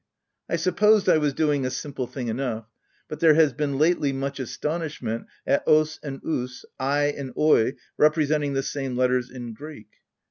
I supposed I was doing a simple thing enough : but there has been lately much astonish ment at OS and us, at and oi, representing the same letters in Greek.